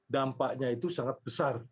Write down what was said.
dampaknya itu sangat besar